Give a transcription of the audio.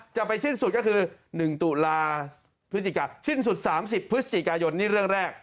จะไปสิ้นสุดก็คือ๑ตุลาพฤศจิกาสิ้นสุด๓๐พฤศจิกายนนี่เรื่องแรก